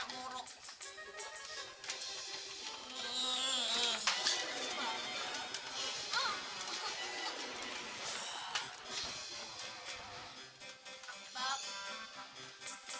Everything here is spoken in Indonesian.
waduh dia dia dia